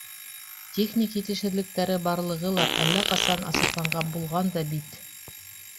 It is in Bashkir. Техник етешһеҙлектәре барлығы ла әллә ҡасан асыҡланған булған да бит...